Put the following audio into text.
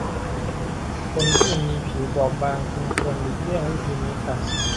คนที่มีผิวบอบบางจึงควรหลีกเลี่ยงวิธีนี้ค่ะ